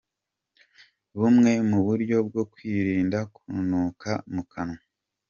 Bumwe mu buryo bwo kwirinda kunuka mu kanwa